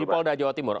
di polda jawa timur